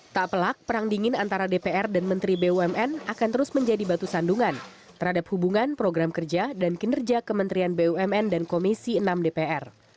tak pelak perang dingin antara dpr dan menteri bumn akan terus menjadi batu sandungan terhadap hubungan program kerja dan kinerja kementerian bumn dan komisi enam dpr